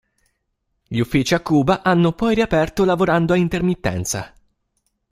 Gli uffici a Cuba hanno poi riaperto lavorando a intermittenza.